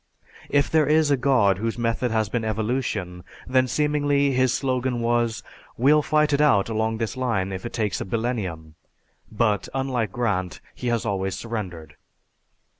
If there is a God whose method has been Evolution, then seemingly his slogan was 'We'll fight it out along this line if it takes a billennium' but, unlike Grant, he has always surrendered.